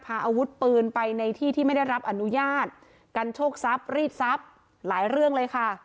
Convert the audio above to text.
พาอาวุธปืนไปในที่ที่ไม่ได้รับอนุญาตกันโชคทรัพย์รีดทรัพย์หลายเรื่องเลยค่ะ